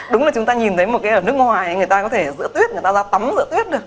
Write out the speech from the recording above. đúng là chúng ta nhìn thấy một cái ở nước ngoài người ta có thể giữa tuyết người ta ra tắm rửa tuyết được